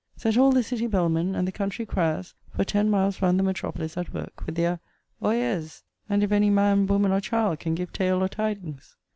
Set all the city bellmen, and the country criers, for ten miles round the metropolis, at work, with their 'Oye's! and if any man, woman, or child can give tale or tidings.'